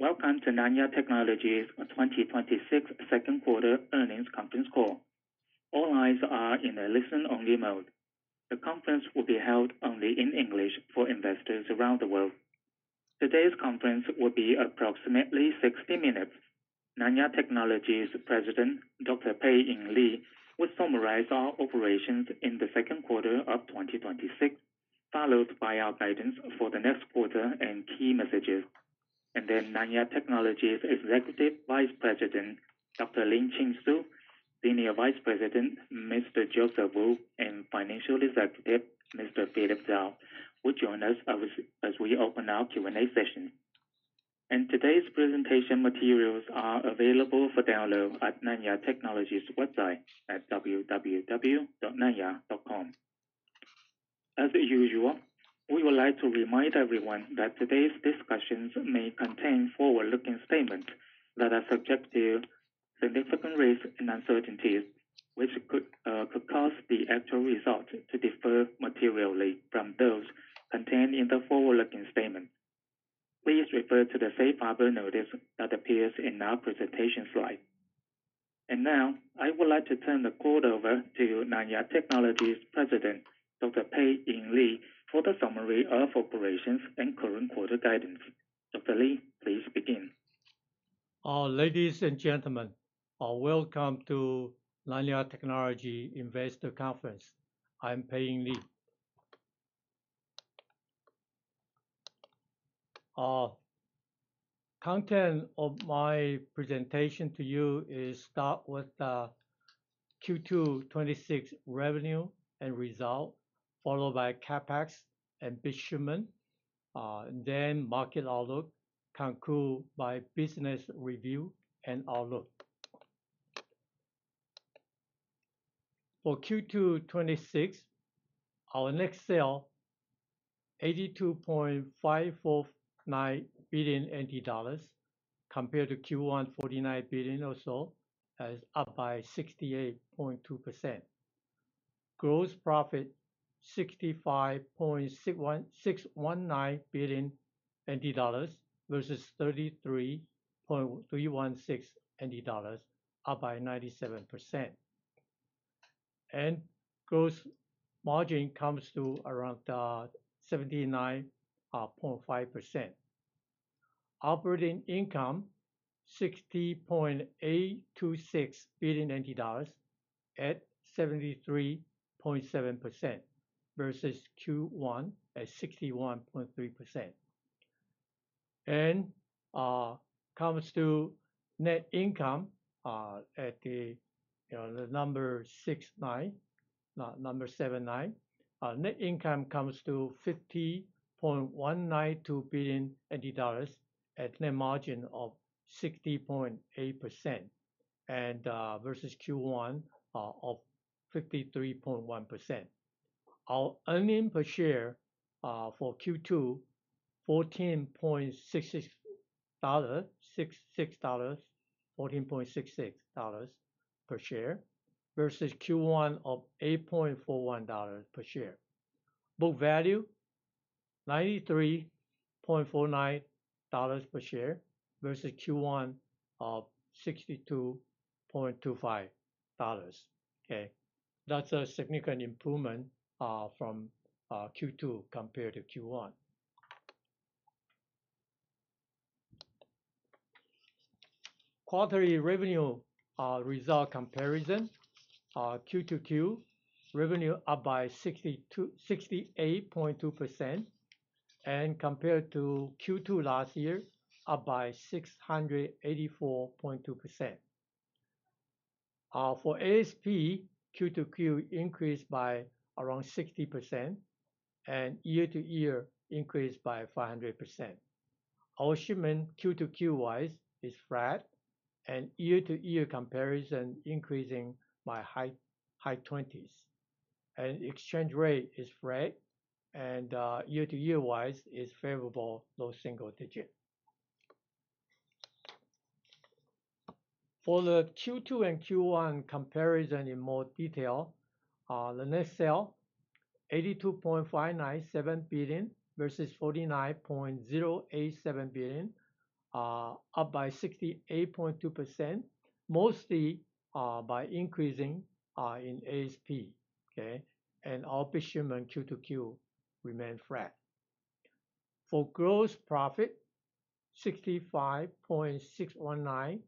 Welcome to Nanya Technology's 2026 second quarter earnings conference call. All lines are in a listen-only mode. The conference will be held only in English for investors around the world. Today's conference will be approximately 60 minutes. Nanya Technology's President, Dr. Pei-Ing Lee, will summarize our operations in the second quarter of 2026, followed by our guidance for the next quarter and key messages. Nanya Technology's Executive Vice President, Dr. Lin-Chin Su, Senior Vice President, Mr. Joseph Wu, and Financial Executive, Mr. Philip Zhao, will join us as we open our Q&A session. Today's presentation materials are available for download at Nanya Technology's website at www.nanya.com. As usual, we would like to remind everyone that today's discussions may contain forward-looking statements that are subject to significant risks and uncertainties, which could cause the actual result to differ materially from those contained in the forward-looking statement. Please refer to the safe harbor notice that appears in our presentation slide. Now, I would like to turn the call over to Nanya Technology's President, Dr. Pei-Ing Lee, for the summary of operations and current quarter guidance. Dr. Lee, please begin. Ladies and gentlemen, welcome to Nanya Technology investor conference. I'm Pei-Ing Lee. Content of my presentation to you starts with the Q2 2026 revenue and result, followed by CapEx and shipment, then market outlook, conclude by business review and outlook. For Q2 2026, our net sale, 82.549 billion NT dollars, compared to Q1, 49 billion or so, that is up by 68.2%. Gross profit, 65.619 billion NT dollars versus 33.316 billion NT dollars, up by 97%. Gross margin comes to around 79.5%. Operating income, TWD 60.826 billion at 73.7% versus Q1 at 61.3%. And comes to net income at the number seven, nine. Net income comes to 50.192 billion NT dollars at net margin of 60.8% and versus Q1 of 53.1%. Our earning per share for Q2, 14.66 dollars per share versus Q1 of 8.41 dollars per share. Book value, 93.49 dollars per share versus Q1 of 62.25 dollars. Okay. That's a significant improvement from Q2 compared to Q1. Quarterly revenue result comparison. Q-to-Q, revenue up by 68.2% and compared to Q2 last year, up by 684.2%. For ASP, Q-to-Q increased by around 60% and year-to-year increased by 500%. Our shipment Q-to-Q wise is flat and year-to-year comparison increasing by high 20s. Exchange rate is flat and year-to-year wise is favorable, low single digit. For the Q2 and Q1 comparison in more detail, the net sale, 82.597 billion versus 49.087 billion, up by 68.2%, mostly by increasing in ASP. Okay? Our shipment Q-to-Q remain flat. For gross profit, 65.619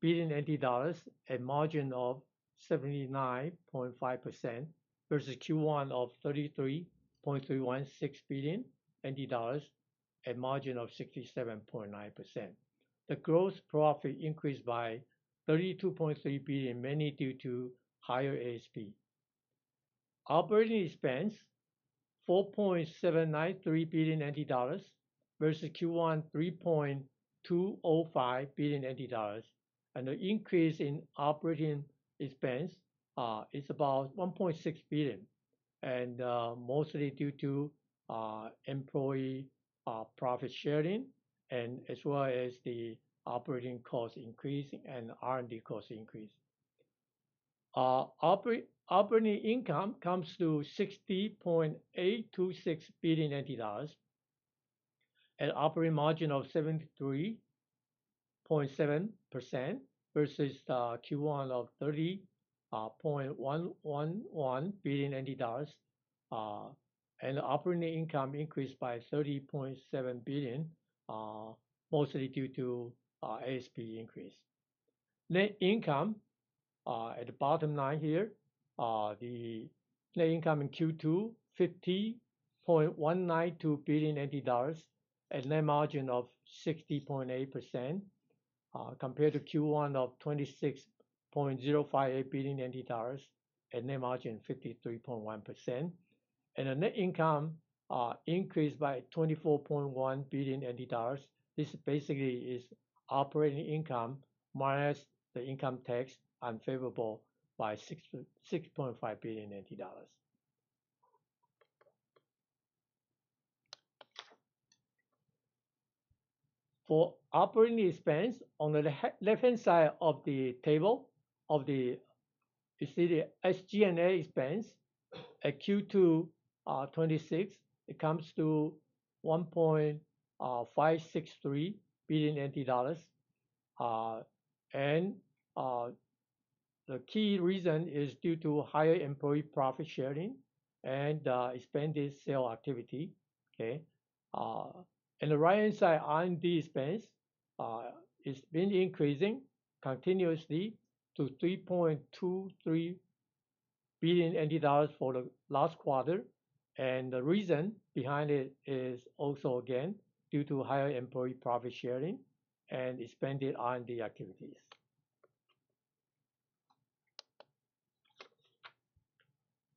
billion NT dollars, a margin of 79.5% versus Q1 of 33.316 billion NT dollars, a margin of 67.9%. The gross profit increased by 32.3 billion, mainly due to higher ASP. Operating expense, 4.793 billion NT dollars versus Q1 3.205 billion NT dollars. The increase in operating expense is about 1.6 billion, mostly due to employee profit sharing, as well as the operating cost increasing and R&D cost increase. Operating income comes to 60.826 billion NT dollars, an operating margin of 73.7% versus Q1 of 30.111 billion NT dollars. Operating income increased by 30.7 billion, mostly due to ASP increase. Net income, at the bottom line here, the net income in Q2, 50.192 billion NT dollars, a net margin of 60.8% compared to Q1 of 26.058 billion NT dollars, a net margin 53.1%. The net income increased by 24.1 billion. This basically is operating income minus the income tax unfavorable by TWD 6.5 billion. For operating expense on the left-hand side of the table you see the SG&A expense at Q2 2026, it comes to 1.563 billion NT dollars. The key reason is due to higher employee profit sharing and expanded sale activity. The right-hand side, R&D expense, it has been increasing continuously to 3.23 billion dollars for the last quarter. The reason behind it is also again due to higher employee profit sharing and expanded R&D activities.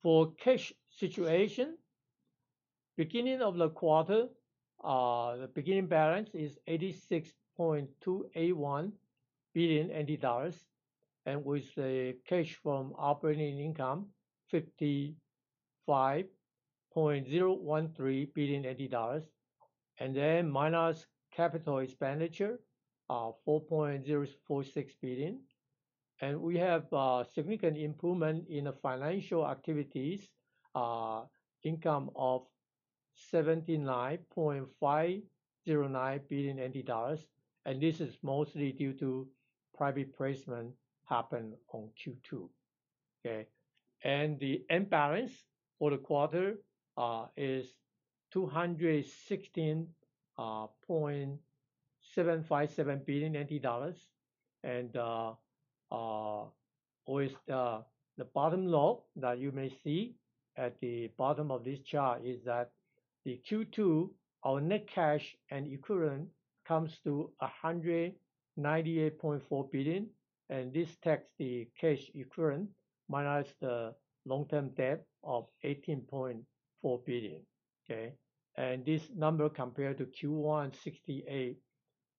For cash situation, beginning of the quarter, the beginning balance is 86.281 billion NT dollars, with the cash from operating income, 55.013 billion NT dollars. Then minus capital expenditure, 4.046 billion. We have a significant improvement in the financial activities, income of 79.509 billion NT dollars. This is mostly due to private placement happened on Q2. The end balance for the quarter is TWD 216.757 billion. With the bottom line that you may see at the bottom of this chart is that the Q2, our net cash and equivalent comes to 198.4 billion. This takes the cash equivalent minus the long-term debt of 18.4 billion. This number compared to Q1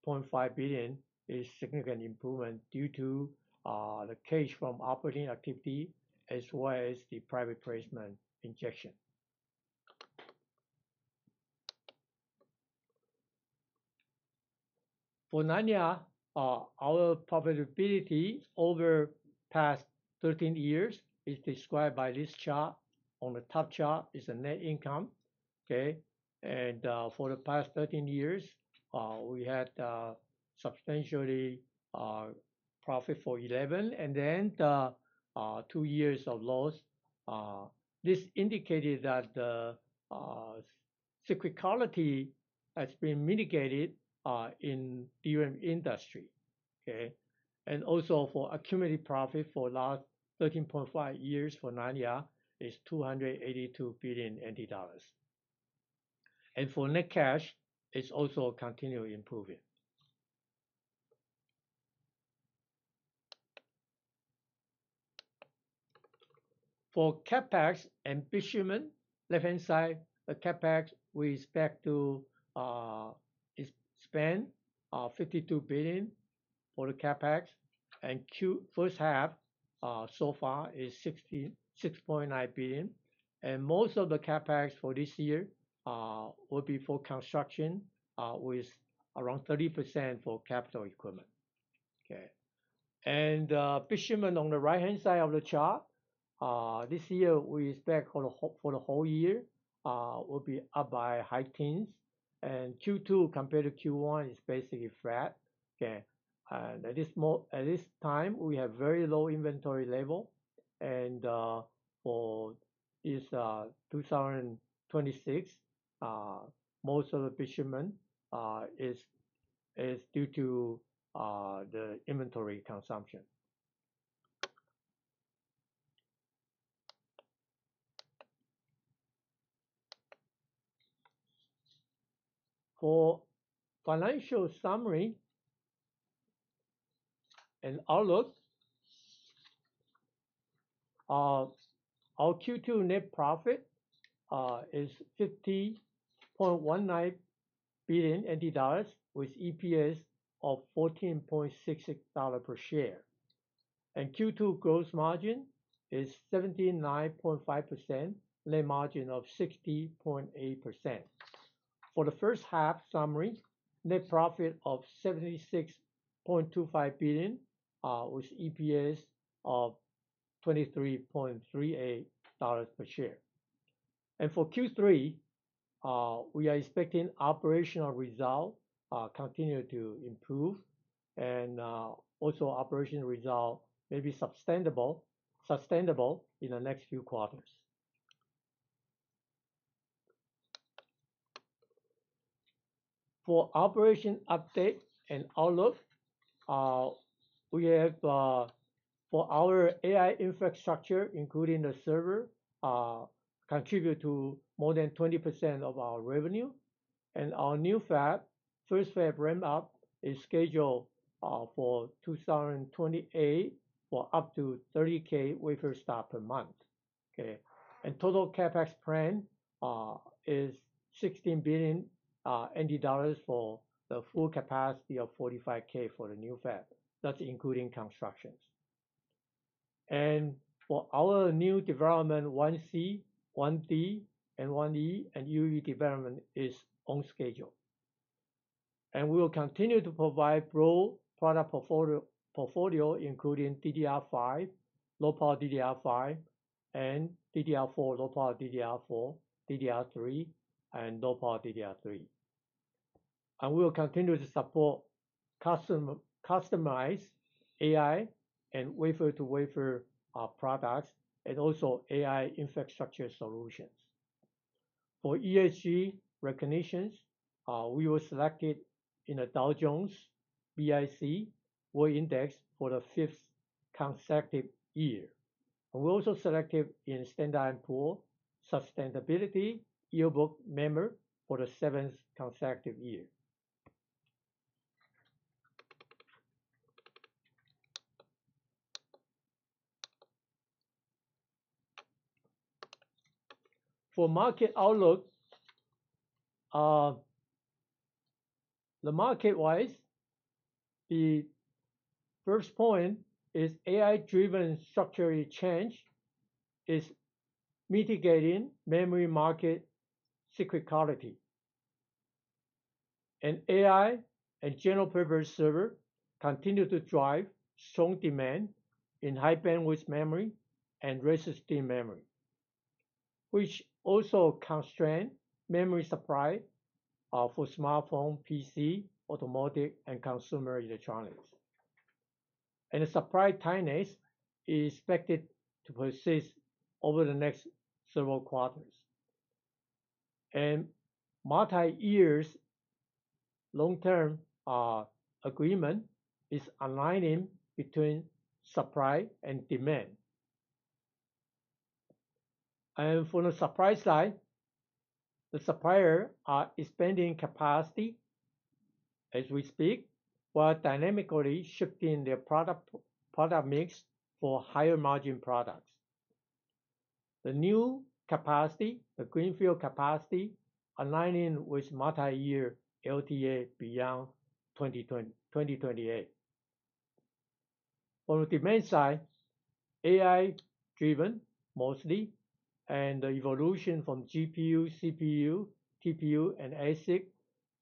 68.5 billion is significant improvement due to the cash from operating activity as well as the private placement injection. For Nanya, our profitability over the past 13 years is described by this chart. On the top chart is the net income. For the past 13 years, we had substantially profit for 11 and then the two years of loss. This indicated that the cyclicality has been mitigated in DRAM industry. Also for accumulated profit for the last 13.5 years for Nanya is 282 billion NT dollars. For net cash, it is also continually improving. For CapEx and shipment, left-hand side, the CapEx, we expect to spend 52 billion for the CapEx. First half, so far is 6.9 billion. Most of the CapEx for this year will be for construction with around 30% for capital equipment. Shipments on the right-hand side of the chart. This year, we expect for the whole year will be up by high teens. Q2 compared to Q1 is basically flat. At this time, we have very low inventory level. For this 2026, most of the shipment is due to the inventory consumption. For financial summary and outlook, our Q2 net profit is 50.19 billion NT dollars with EPS of 14.66 dollar per share. Q2 gross margin is 79.5%, net margin of 60.8%. For the first half summary, net profit of 76.25 billion, with EPS of 23.38 dollars per share. For Q3, we are expecting operational results to continue to improve, and also operational results may be sustainable in the next few quarters. For operation update and outlook, for our AI infrastructure, including the server, contribute to more than 20% of our revenue. Our new fab, first fab ramp-up, is scheduled for 2028, for up to 30,000 wafers start per month. Total CapEx plan is 16 billion NT dollars for the full capacity of 45,000 for the new fab. That is including constructions. For our new development 1C, 1D, and 1E, EUV development is on schedule. We will continue to provide broad product portfolio, including DDR5, LPDDR5, DDR4, LPDDR4, DDR3, and LPDDR3. We will continue to support customized AI, wafer-to-wafer products, and also AI infrastructure solutions. For ESG recognitions, we were selected in the Dow Jones Sustainability World Index for the fifth consecutive year. We are also selected in S&P Global Sustainability Yearbook member for the seventh consecutive year. For market outlook, market-wise, the first point is AI-driven structural change is mitigating memory market cyclicality. AI and general purpose server continue to drive strong demand in High Bandwidth Memory and registered memory, which also constrain memory supply for smartphone, PC, automotive, and consumer electronics. The supply tightness is expected to persist over the next several quarters. Multi-year long-term agreement is aligning between supply and demand. For the supply side, the suppliers are expanding capacity as we speak, while dynamically shifting their product mix for higher margin products. The new capacity, the greenfield capacity, aligning with multi-year LTA beyond 2028. On the demand side, AI driven mostly, the evolution from GPU, CPU, TPU, and ASIC,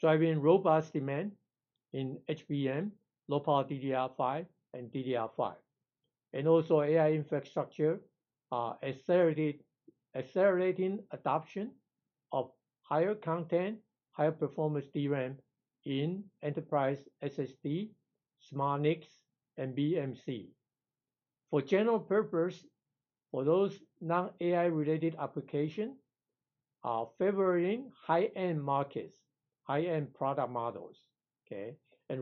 driving robust demand in HBM, LPDDR5, and DDR5. Also AI infrastructure is accelerating adoption of higher content, higher performance DRAM in enterprise SSD, SmartNICs, and BMC. For general purpose, for those non-AI related applications are favoring high-end markets, high-end product models.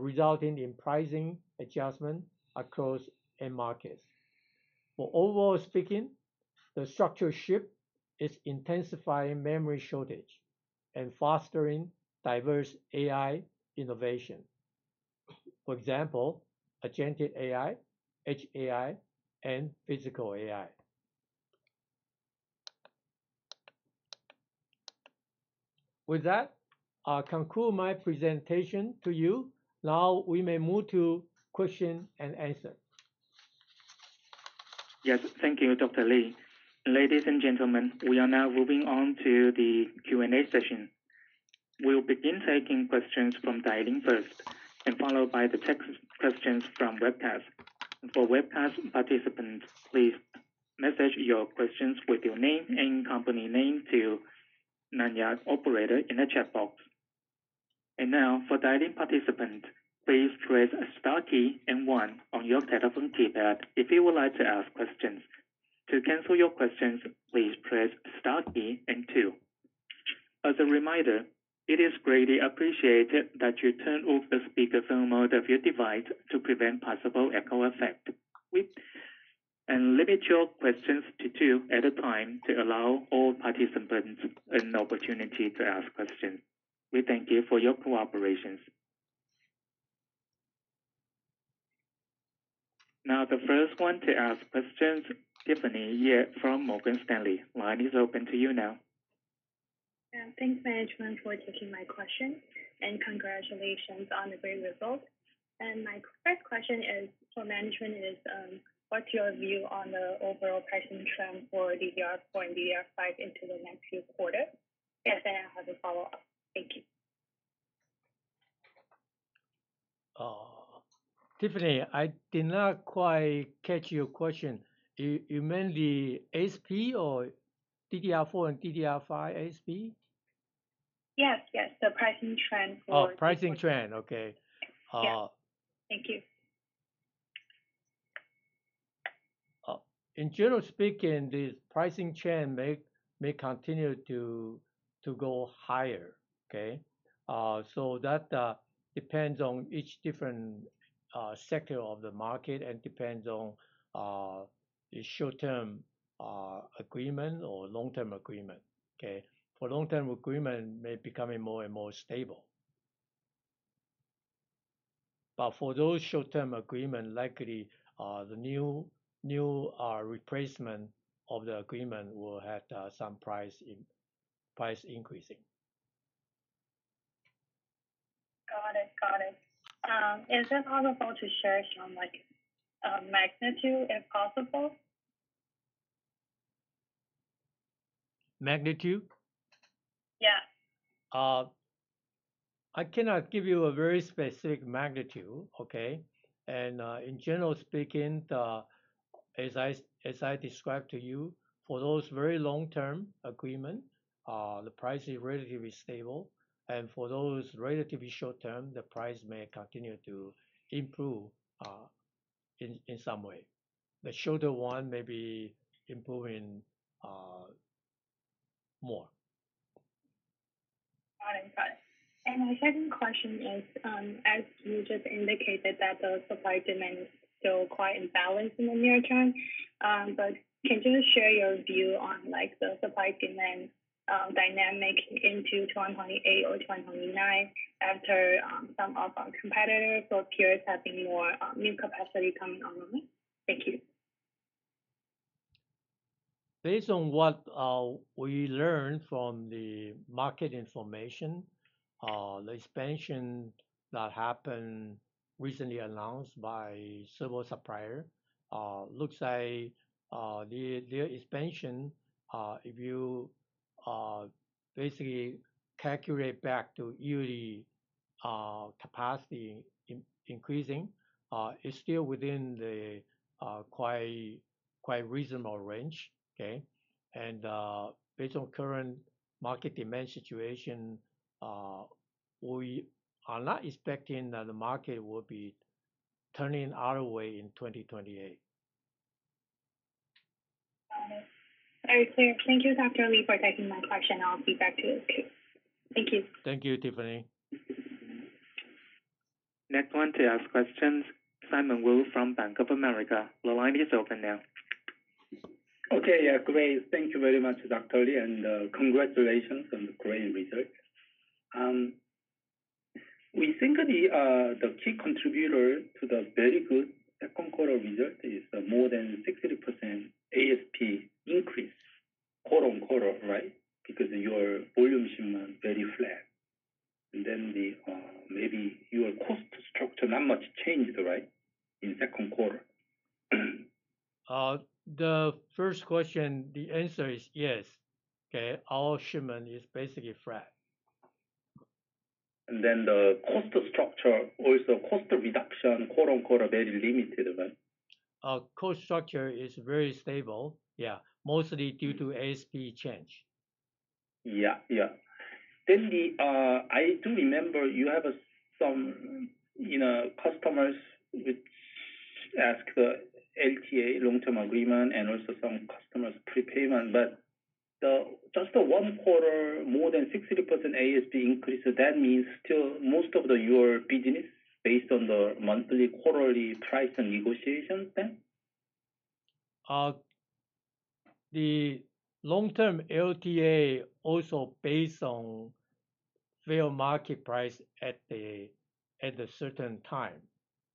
Resulting in pricing adjustment across end markets. Overall speaking, the structure shift is intensifying memory shortage and fostering diverse AI innovation. For example, agentic AI, edge AI, and physical AI. With that, I will conclude my presentation to you. Now we may move to question and answer. Yes. Thank you, Dr. Lee. Ladies and gentlemen, we are now moving on to the Q&A session. We will begin taking questions from dialing first and followed by the text questions from webcast. For webcast participants, please message your questions with your name and company name to Nanya operator in the chat box. Now, for dialing participants, please press star key and one on your telephone keypad if you would like to ask questions. To cancel your questions, please press star key and two. As a reminder, it is greatly appreciated that you turn off the speakerphone mode of your device to prevent possible echo effect. Limit your questions to two at a time to allow all participants an opportunity to ask questions. We thank you for your cooperation. Now, the first one to ask questions, Tiffany Yeh from Morgan Stanley. Line is open to you now. Thanks, management, for taking my question. Congratulations on the great results. My first question for management is, what's your view on the overall pricing trend for DDR4 and DDR5 into the next few quarters? I have a follow-up. Thank you. Tiffany, I did not quite catch your question. You meant the ASP or DDR4 and DDR5 ASP? Yes. The pricing trend for- Pricing trend. Okay. Yes. Thank you. In general, the pricing trend may continue to go higher, okay? That depends on each different sector of the market, depends on the short-term agreement or long-term agreement. Okay? For long-term agreement, may becoming more and more stable. For those short-term agreement, likely, the new replacement of the agreement will have some price increasing. Got it. Is it possible to share some magnitude, if possible? Magnitude? Yeah. I cannot give you a very specific magnitude, okay? In general, as I described to you, for those very long-term agreement, the price is relatively stable. For those relatively short-term, the price may continue to improve in some way. The shorter one may be improving more. Got it. My second question is, as you just indicated that the supply-demand is still quite imbalanced in the near term, but can you just share your view on the supply-demand dynamic into 2028 or 2029 after some of our competitors or peers having more new capacity coming online? Thank you. Based on what we learned from the market information, the expansion that happened, recently announced by several suppliers, looks like their expansion, if you basically calculate back to yearly capacity increasing, is still within the quite reasonable range. Okay? Based on current market demand situation, we are not expecting that the market will be turning our way in 2028. Got it. All right, sir. Thank you, Dr. Lee, for taking my question. I'll feed back to you. Okay. Thank you. Thank you, Tiffany. Next one to ask questions, Simon Wu from Bank of America. The line is open now. Okay. Yeah, great. Thank you very much, Dr. Lee. Congratulations on the great result. We think the key contributor to the very good second quarter result is the more than 60% ASP increase quarter-on-quarter, right? Your volume shipment very flat. Maybe your cost structure not much changed, right, in second quarter? The first question, the answer is yes. Okay. Our shipment is basically flat. The cost structure, also cost reduction quarter-on-quarter, very limited, right? Cost structure is very stable, yeah. Mostly due to ASP change. Yeah. I do remember you have some customers which ask the LTA, long-term agreement, and also some customers prepayment, but just one quarter, more than 60% ASP increase. That means still most of your business based on the monthly, quarterly price and negotiations then? The long-term LTA also based on fair market price at the certain time.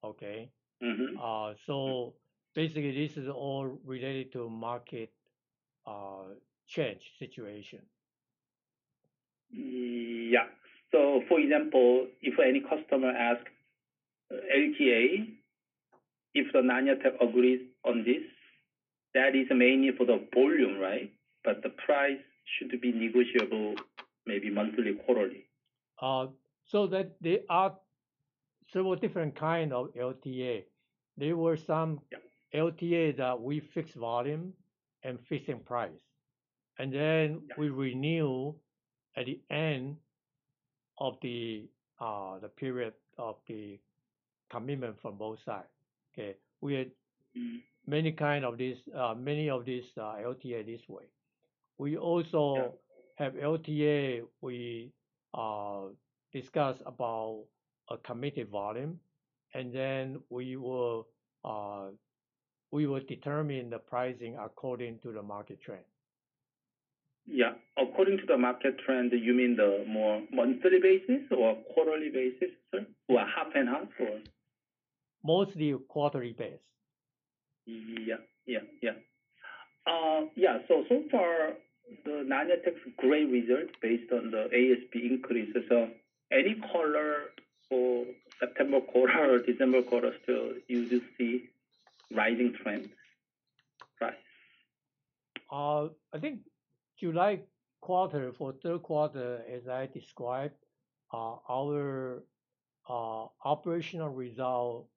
Okay? Basically, this is all related to market change situation. Yeah. For example, if any customer ask LTA, if the Nanya Tech agrees on this, that is mainly for the volume, right? But the price should be negotiable maybe monthly, quarterly. There are several different kind of LTA. There were. Yeah LTA that we fixed volume and fixed price. Then we renew at the end of the period of the commitment from both sides. Okay? We had. many of this LTA this way. We also. Yeah have LTA, we discuss about a committed volume, then we will determine the pricing according to the market trend. Yeah. According to the market trend, you mean the more monthly basis or quarterly basis, sir? Or half and half, or? Mostly quarterly based. Yeah. Yeah. So far, the Nanya Tech's great result based on the ASP increases. Any color for September quarter or December quarter, still you just see rising trends? Right. I think July quarter, for third quarter, as I described, our operational result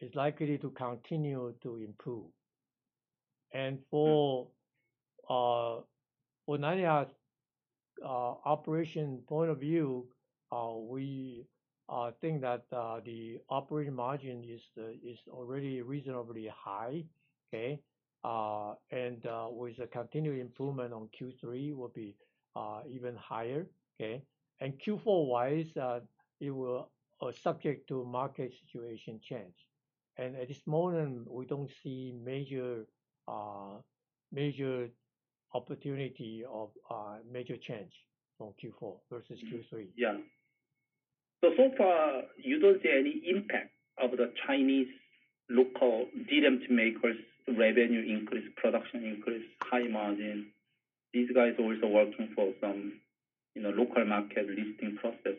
is likely to continue to improve. Yeah. For Nanya's operation point of view, we think that the operating margin is already reasonably high. Okay? With the continued improvement on Q3 will be even higher. Okay? Q4 wise, it will subject to market situation change. At this moment, we don't see major opportunity of major change from Q4 versus Q3. Yeah. Far, you don't see any impact of the Chinese local DRAM makers' revenue increase, production increase, high margin. These guys also working for some local market listing process.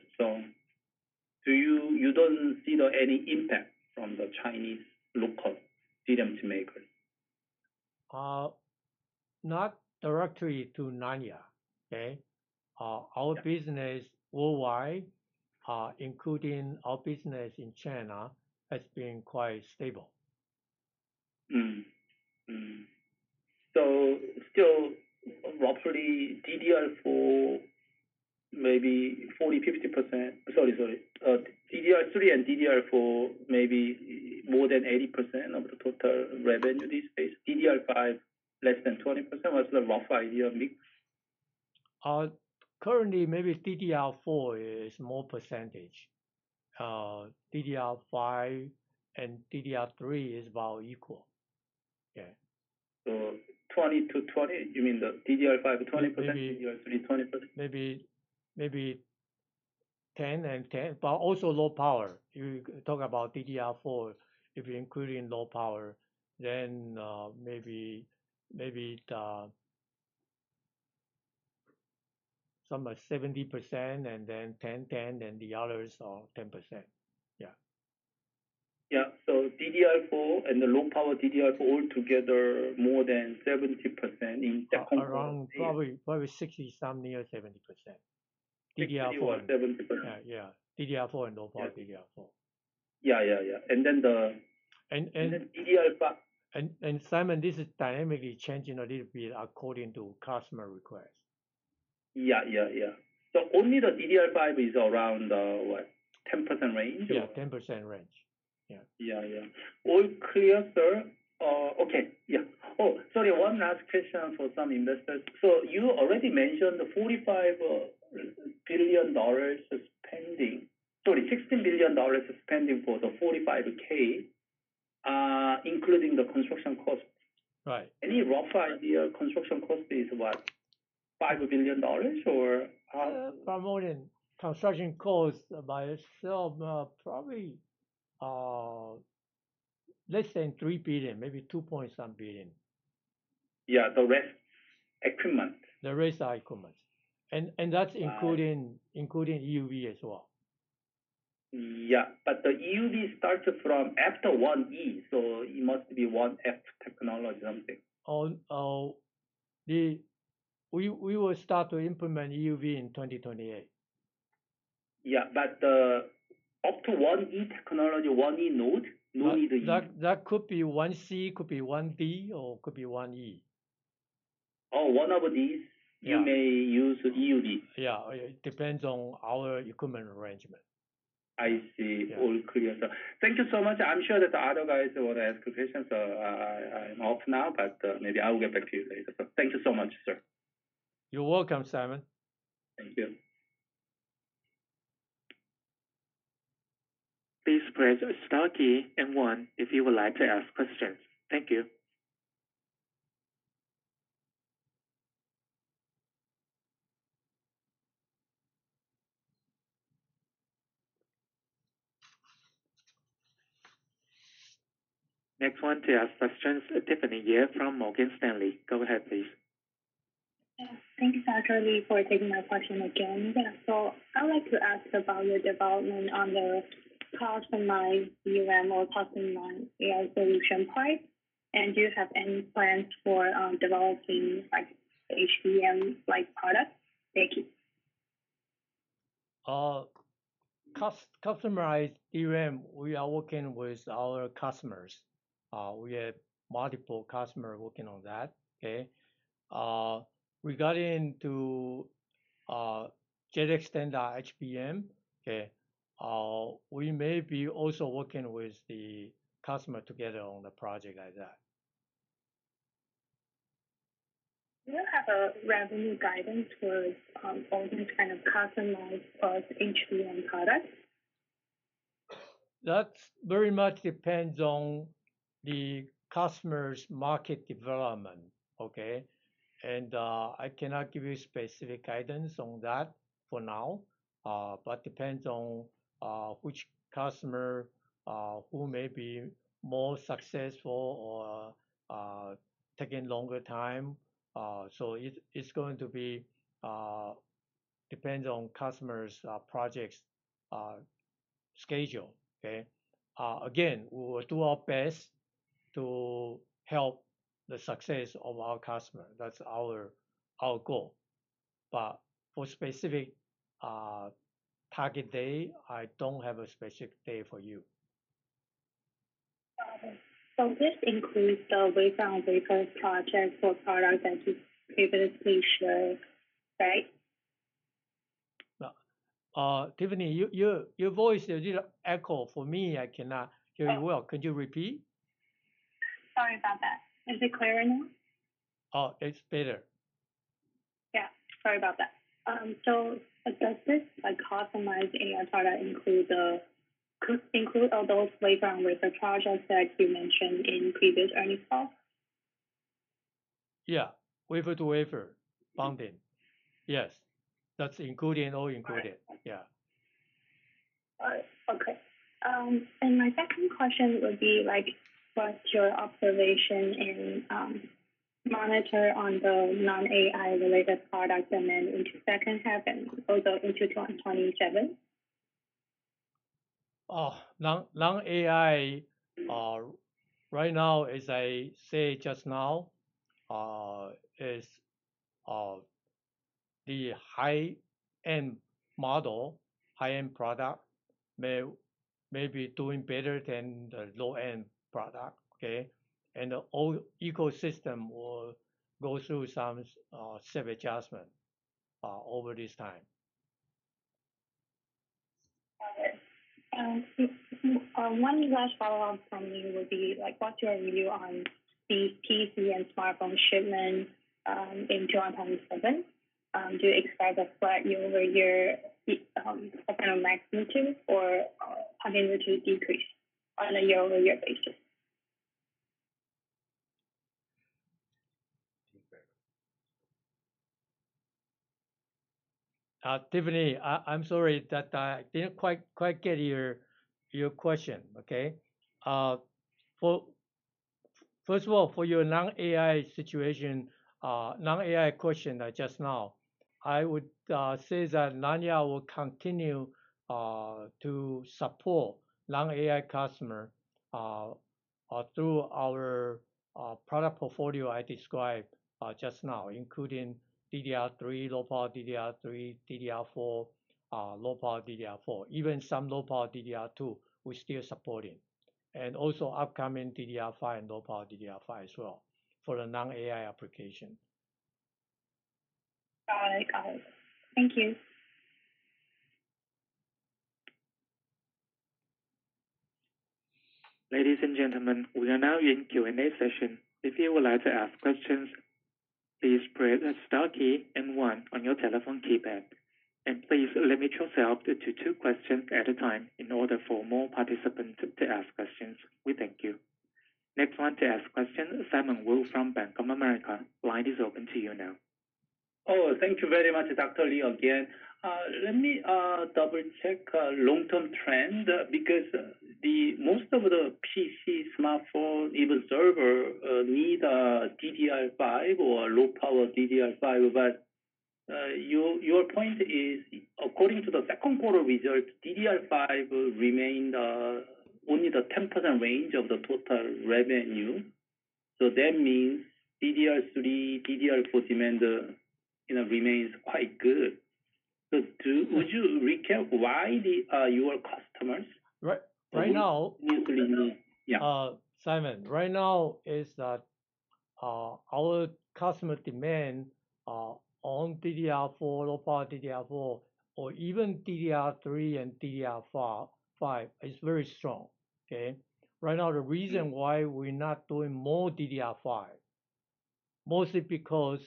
You don't see any impact from the Chinese local DRAM makers? Not directly to Nanya. Okay? Yeah. Our business worldwide, including our business in China, has been quite stable. Still roughly DDR4, maybe 40%-50%. Sorry, DDR3 and DDR4, maybe more than 80% of the total revenue these days. DDR5, less than 20%? What's the rough idea of mix? Currently, maybe DDR4 is more percentage. DDR5 and DDR3 is about equal. Yeah. 20/20? You mean the DDR5 20%, DDR3 20%? Maybe 10 and 10, but also low power. You talk about DDR4, if you're including low power, then maybe it something like 70% and then 10/10, and the others are 10%. Yeah. Yeah. DDR4 and the low-power DDR4 all together more than 70% in that component- Around probably 60-some, near 70%. DDR4. 70%. Yeah. DDR4 and low-power DDR4. Yeah. Simon, this is dynamically changing a little bit according to customer requests. Yeah. Only the DDR5 is around, what, 10% range or? Yeah, 10% range. Yeah. Yeah. All clear, sir. Okay. Yeah. Sorry, one last question for some investors. You already mentioned the 45 billion dollars spending. Sorry, 16 billion dollars of spending for the 45,000, including the construction cost. Right. Any rough idea, construction cost is what? 5 billion dollars or how? At the moment, construction cost by itself, probably less than 3 billion, maybe two-point-some billion. Yeah, the rest, equipment. The rest are equipment. That's including EUV as well. Yeah. The EUV starts from after 1E, so it must be 1F technology, something. We will start to implement EUV in 2028. Yeah. Up to 1E technology, 1E node. No need the E. That could be 1C, could be 1D, or could be 1E. Oh, one of these- Yeah you may use EUV. Yeah. It depends on our equipment arrangement. I see. Yeah. All clear, sir. Thank you so much. I'm sure that the other guys want to ask questions. I'm off now, but maybe I'll get back to you later. Thank you so much, sir. You're welcome, Simon. Thank you. Please press star key and one if you would like to ask questions. Thank you. Next one to ask questions, Tiffany Yeh from Morgan Stanley. Go ahead, please. Thank you, Dr. Lee, for taking my question again. I'd like to ask about your development on the customized DRAM or customized AI solution part. Do you have any plans for developing HBM-like product? Thank you. Customized DRAM, we are working with our customers. We have multiple customer working on that. Okay? Regarding to [inaudible] HBM, okay, we may be also working with the customer together on the project like that. Do you have a revenue guidance towards all these kind of customized HBM products? That very much depends on the customer's market development. Okay. I cannot give you specific guidance on that for now, depends on which customer who may be more successful or taking longer time. It's going to depend on customers' projects schedule. Okay? Again, we will do our best to help the success of our customer. That's our goal. For specific target date, I don't have a specific date for you. Got it. This includes the wafer-to-wafer project for products that you previously showed, right? Tiffany, your voice is a little echo for me. I cannot hear you well. Could you repeat? Sorry about that. Is it clear enough? Oh, it's better. Yeah. Sorry about that. Does this customized AI product include all those wafer-to-wafer projects that you mentioned in previous earnings call? Yeah. Wafer-to-wafer bonding. Yes. That's included, all included. Right. Yeah. All right. Okay. My second question would be, what's your observation and monitor on the non-AI related products, and then into second half and also into 2027? Oh, non-AI, right now, as I said just now, is the high-end model, high-end product may be doing better than the low-end product. Okay? The old ecosystem will go through some self-adjustment over this time. Got it. One last follow-on from me would be, what's your view on the PC and smartphone shipment, in 2027? Do you expect a flat year-over-year or continue to decrease on a year-over-year basis? Tiffany, I'm sorry that I didn't quite get your question. Okay? First of all, for your non-AI situation, non-AI question just now, I would say that Nanya will continue to support non-AI customer, through our product portfolio I described just now, including DDR3, low-power DDR3, DDR4, low-power DDR4. Even some low-power DDR2, we're still supporting. Also upcoming DDR5 and low-power DDR5 as well for the non-AI application. Got it. Thank you. Ladies and gentlemen, we are now in Q&A session. If you would like to ask questions, please press the star key and one on your telephone keypad. Please limit yourself to two questions at a time in order for more participants to ask questions. We thank you. Next one to ask question, Simon Wu from Bank of America. Line is open to you now. Oh, thank you very much, Dr. Lee, again. Let me double-check long-term trend because most of the PC, smartphone, even server, need DDR5 or low-power DDR5, but your point is, according to the second quarter results, DDR5 remained only the 10% range of the total revenue. That means DDR3, DDR4 demand remains quite good. Would you recap why your customers- Right now- Yeah. Simon, right now is that our customer demand on DDR4, low-power DDR4, or even DDR3 and DDR5 is very strong. Okay? Right now, the reason why we're not doing more DDR5, mostly because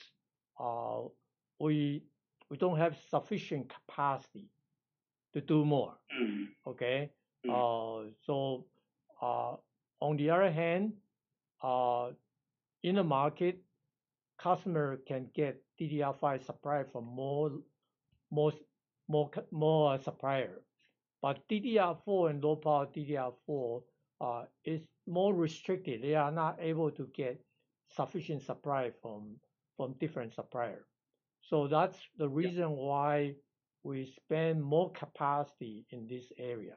we don't have sufficient capacity to do more. Okay? On the other hand, in the market, customer can get DDR5 supply from more supplier. DDR4 and LPDDR4 is more restricted. They are not able to get sufficient supply from different supplier. That's the reason why we spend more capacity in this area.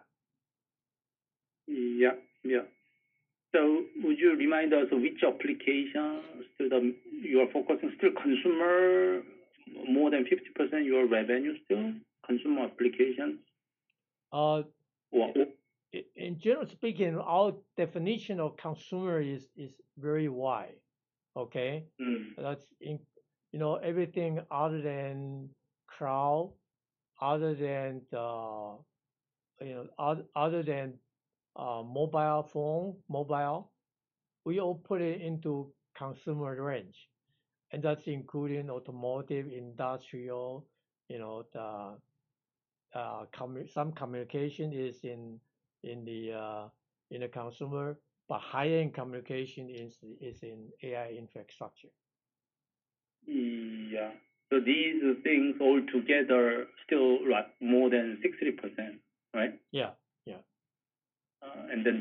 Would you remind us which applications you are focusing? Still consumer more than 50% your revenue still? Consumer applications? In general speaking, our definition of consumer is very wide. Okay? That's everything other than cloud, other than mobile phone, mobile. We all put it into consumer range, that's including automotive, industrial, the Some communication is in the consumer, but high-end communication is in AI infrastructure. Yeah. These things all together still more than 60%, right? Yeah.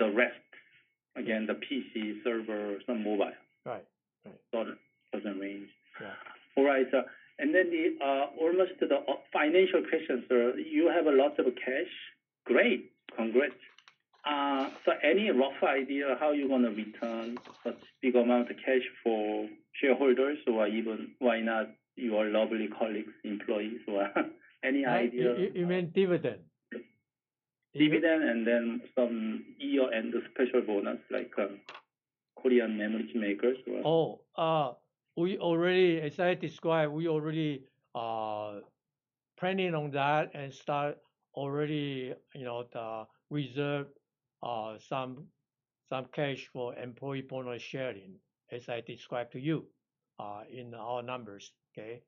The rest, again, the PC server, some mobile. Right. Sort of range. Yeah. All right, sir. Almost to the financial questions, sir. You have a lot of cash. Great. Congrats. Any rough idea how you're going to return such big amount of cash for shareholders or even, why not, your lovely colleagues, employees, or any idea? You mean dividend? Dividend and then some year-end special bonus, like Korean [memory] makers or- As I described, we already planning on that and start already the reserve some cash for employee bonus sharing, as I described to you in our numbers. Okay?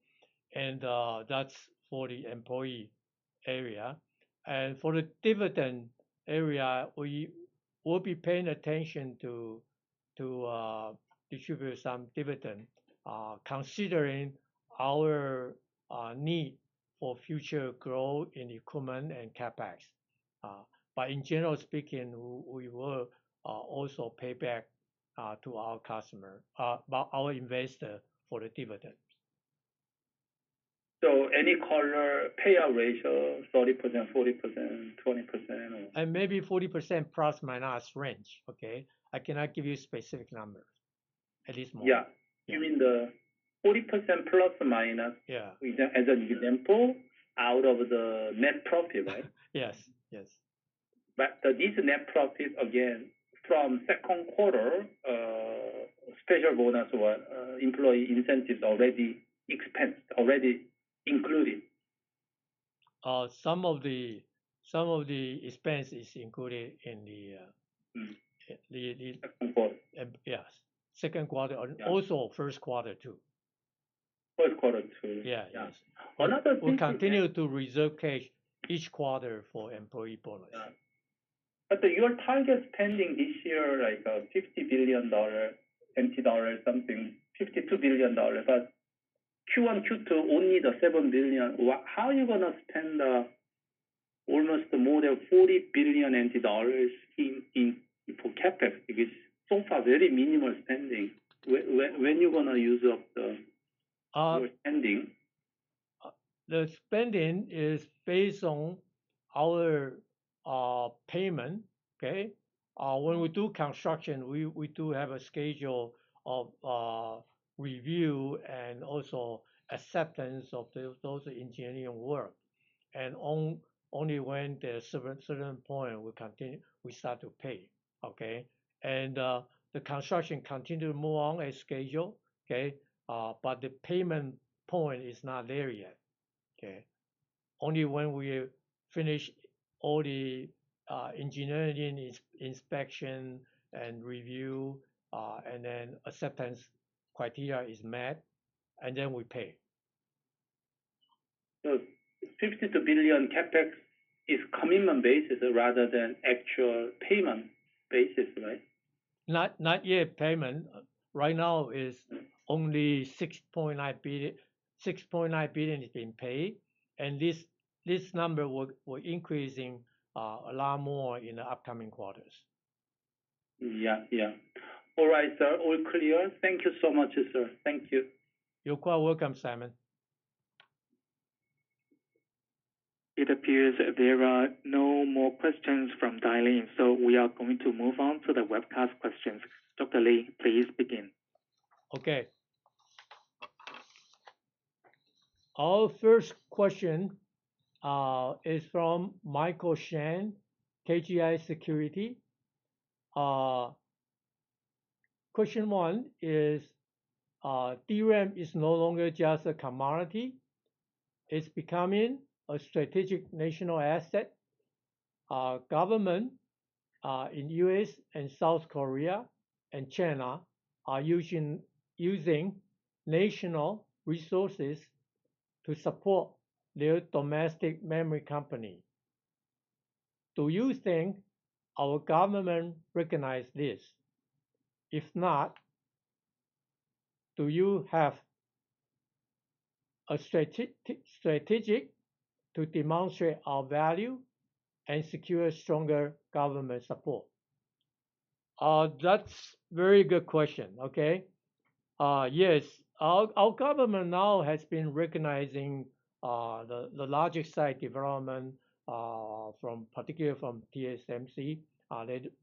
That's for the employee area. For the dividend area, we will be paying attention to distribute some dividend, considering our need for future growth in equipment and CapEx. In general speaking, we will also pay back to our investor for the dividends. Any color payout ratio, 30%, 40%, 20% or? Maybe 40%± range, okay? I cannot give you specific number at this moment. Yeah. You mean the 40%±- Yeah as an example, out of the net profit, right? Yes. This net profit, again, from second quarter, special bonus or employee incentives already expensed, already included. Some of the expense is included in the. Mm-hmm. Second quarter. Yes, second quarter. Also first quarter too. First quarter, too. Yeah. Yes. We'll continue to reserve cash each quarter for employee bonus. Yeah. Your target spending this year, like 50 billion dollar, TWD 70 something, 52 billion dollars, Q1, Q2, only the 7 billion. How are you going to spend almost more than 40 billion in full CapEx? So far, very minimal spending. your spending? The spending is based on our payment. Okay. When we do construction, we do have a schedule of review and also acceptance of those engineering work. Only when there are certain point, we start to pay. Okay. The construction continue to move on as scheduled. Okay. The payment point is not there yet. Okay. Only when we finish all the engineering inspection and review, and then acceptance criteria is met, and then we pay. 52 billion CapEx is commitment basis rather than actual payment basis, right? Not yet payment. Right now is only 6.9 billion has been paid, this number will increasing a lot more in the upcoming quarters. Yeah. All right, sir. All clear. Thank you so much, sir. Thank you. You're quite welcome, Simon. It appears there are no more questions from dial-in, we are going to move on to the webcast questions. Dr. Lee, please begin. Okay. Our first question is from Michael Cheung, KGI Securities. Question one is, "DRAM is no longer just a commodity. It's becoming a strategic national asset. Government in U.S. and South Korea and China are using national resources to support their domestic memory company. Do you think our government recognize this? If not, do you have a strategic to demonstrate our value and secure stronger government support?" That's very good question. Yes. Our government now has been recognizing the logic side development, particularly from TSMC.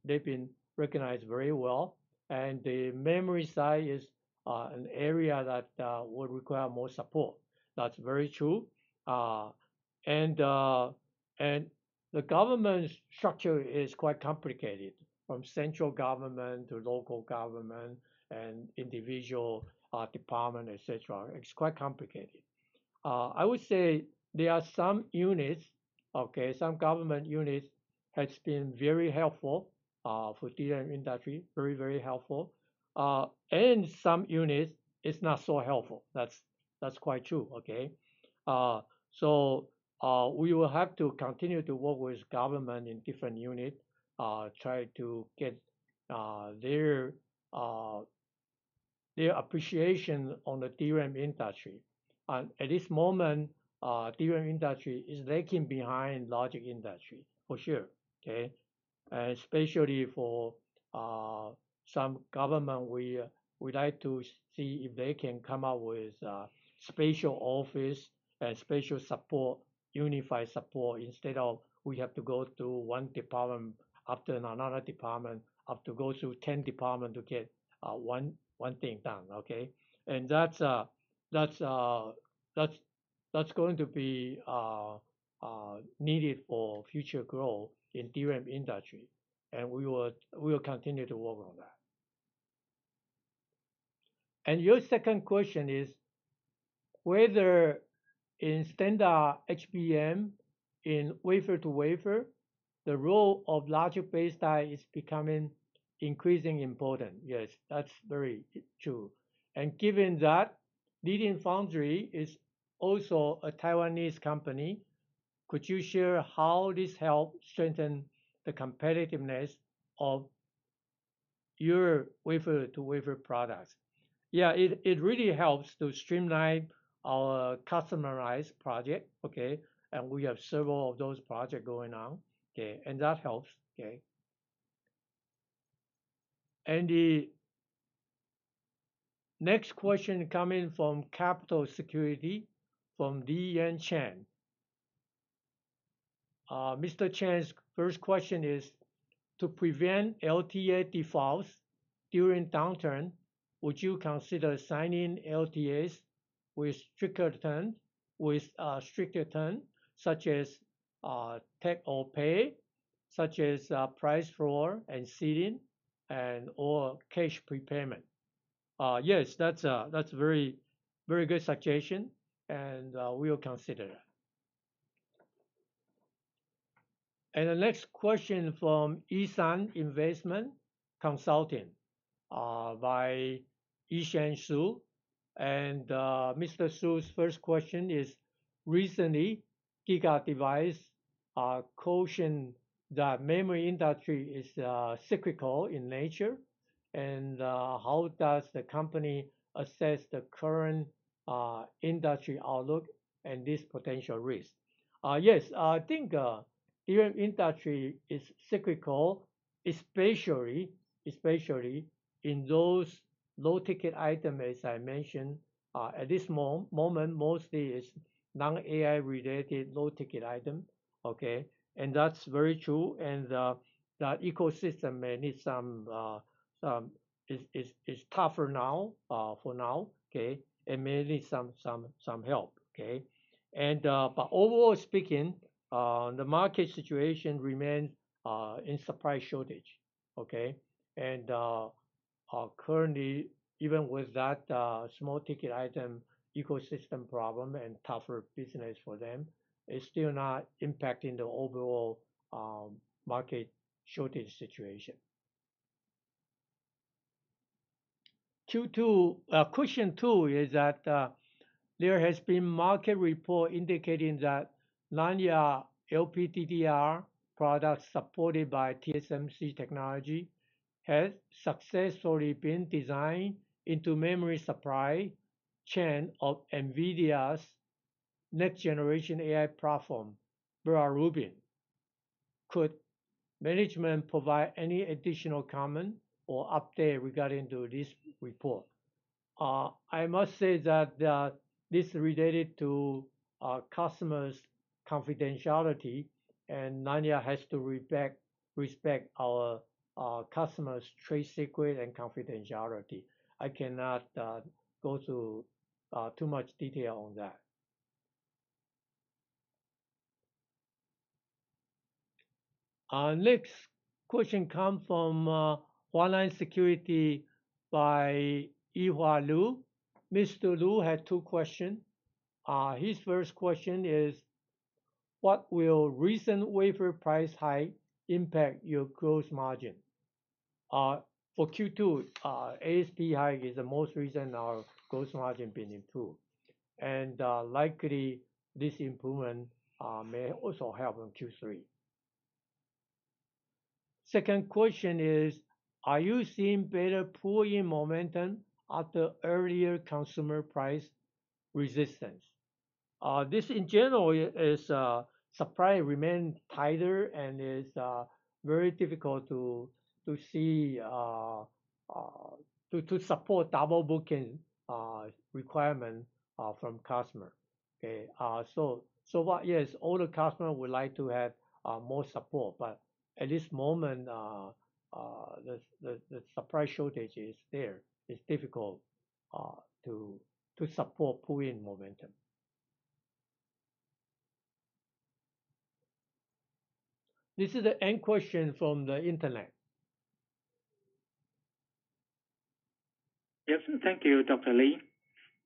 They've been recognized very well, the memory side is an area that would require more support. That's very true. The government structure is quite complicated. From central government to local government and individual department, et cetera. It's quite complicated. I would say there are some units, some government units Has been very helpful for DRAM industry. Very helpful. In some units, it's not so helpful. That's quite true. We will have to continue to work with government in different unit, try to get their appreciation on the DRAM industry. At this moment, DRAM industry is lagging behind logic industry, for sure. Especially for some government, we like to see if they can come out with special office and special support, unified support, instead of we have to go through one department after another department, have to go through 10 department to get one thing done. That's going to be needed for future growth in DRAM industry, and we will continue to work on that. Your second question is whether in standard HBM, in wafer-to-wafer, the role of logic-based AI is becoming increasingly important. Yes, that's very true. Given that Leading Foundry is also a Taiwanese company, could you share how this help strengthen the competitiveness of your wafer-to-wafer products? Yeah, it really helps to streamline our customized project. We have several of those projects going on, and that helps. The next question coming from Capital Securities, from [Di-Yen Chan]. Mr. Chan's first question is, "To prevent LTA defaults during downturn, would you consider signing LTAs with stricter terms, such as take or pay, such as price floor and ceiling, and/or cash prepayment?" Yes, that's a very good suggestion, and we will consider that. The next question from E.Sun Investment Consulting, by Yi-Shen Su, Mr. Su's first question is, "Recently, GigaDevice cautioned that memory industry is cyclical in nature. How does the company assess the current industry outlook and this potential risk?" Yes, I think DRAM industry is cyclical, especially in those low-ticket items, as I mentioned. At this moment, mostly it's non-AI related low-ticket items. That's very true, and the ecosystem is tougher now for now, and may need some help. Overall speaking, the market situation remains in supply shortage. Currently, even with that small-ticket item ecosystem problem and tougher business for them, it's still not impacting the overall market shortage situation. Question two is that there has been market report indicating that Nanya LPDDR product supported by TSMC technology, has successfully been designed into memory supply chain of NVIDIA's next generation AI platform, Vera Rubin. Could management provide any additional comment or update regarding to this report? I must say that this related to our customer's confidentiality, Nanya has to respect our customer's trade secret and confidentiality. I cannot go through too much detail on that. Next question come from Hua Nan Securities by Yi-Hua Lu. Mr. Lu had two questions. His first question is, "What will recent wafer price hike impact your gross margin?" For Q2, ASP hike is the most recent our gross margin been improved, and likely, this improvement may also help in Q3. Second question is, "Are you seeing better pull-in momentum after earlier consumer price resistance?" This, in general, is supply remain tighter and is very difficult to support double booking requirement from customer. Yes, all the customers would like to have more support, but at this moment, the supply shortage is there. It's difficult to support pull-in momentum. This is the end question from the internet. Yes. Thank you, Dr. Lee.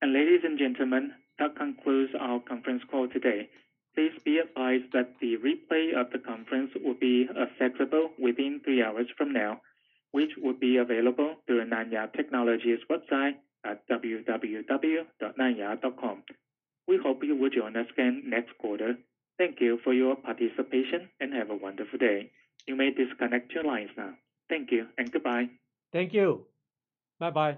Ladies and gentlemen, that concludes our conference call today. Please be advised that the replay of the conference will be accessible within three hours from now, which will be available through the Nanya Technology's website at www.nanya.com. We hope you would join us again next quarter. Thank you for your participation. Have a wonderful day. You may disconnect your lines now. Thank you. Goodbye. Thank you. Bye-bye.